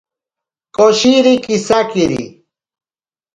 Koshiri kisakiri.